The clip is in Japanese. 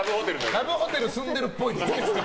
ラブホテルに住んでるっぽい。